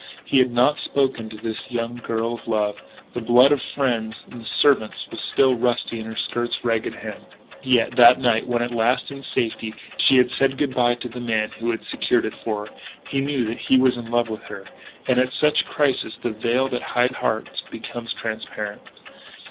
He had not spoken to this young girl of love. The blood of friends and servants was still rusty on her skirt's ragged hem. Yet, that night, when at last in safety she had said good bye to the man who had secured it for her, he knew that he was in love with her. And, at such crises, the veil that hides hearts becomes transparent.